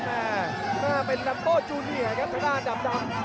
หน้าเป็นลัมเบอร์จูเนียร์ครับข้างหน้าดำ